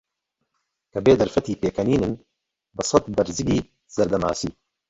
کەبێ دەرفەتی پێکەنینن بەسەد بەرزگی زەردە ماسی